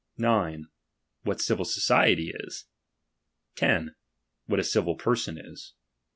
9 What civil society is. 10. What a civil person is.